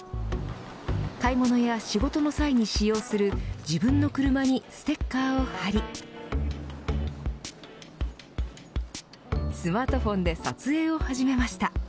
買い物や仕事の際に使用する自分の車にステッカーを貼りスマートフォンで撮影を始めました。